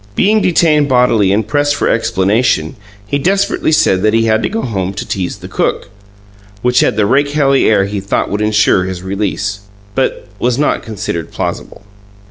Being detained bodily and pressed for explanation, he desperately said that he had to go home to tease the cook which had the rakehelly air he thought would insure his release, but was not considered plausible.